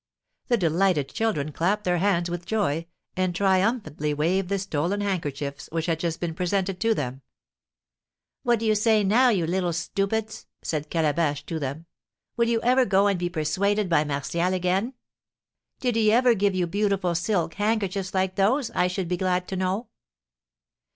The delighted children clapped their hands with joy, and triumphantly waved the stolen handkerchiefs which had just been presented to them. "What do you say now, you little stupids?" said Calabash to them; "will you ever go and be persuaded by Martial again? Did he ever give you beautiful silk handkerchiefs like those, I should be glad to know?"